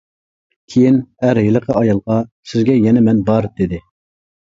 كېيىن، ئەر ھېلىقى ئايالغا، سىزگە يەنە مەن بار دېدى.